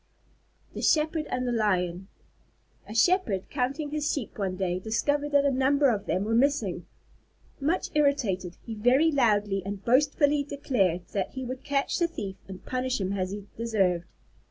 _ THE SHEPHERD AND THE LION A Shepherd, counting his Sheep one day, discovered that a number of them were missing. Much irritated, he very loudly and boastfully declared that he would catch the thief and punish him as he deserved.